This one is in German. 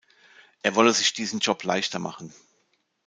Er wolle sich diesen Job leichter machen.